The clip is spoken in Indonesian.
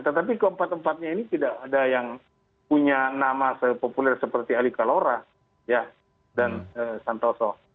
tetapi keempat empatnya ini tidak ada yang punya nama sepopuler seperti ali kalora dan santoso